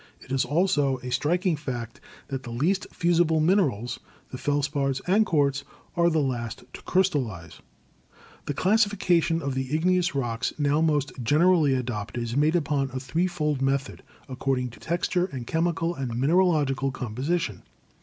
It is also a striking fact that the least fusible minerals, the felspars and quartz, are the last to crystallize." %62 GEOLOGY The classification of the igneous rocks now most gen erally adopted is made upon a threefold method, accord ing to texture and chemical and mineralogical composi tion.